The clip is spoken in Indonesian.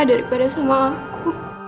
daripada sama aku